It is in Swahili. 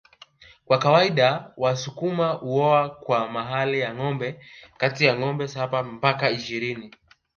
Kwa kawaida wasukuma huoa kwa mahali ya ngombe kati ya ngombe saba mpaka ishirini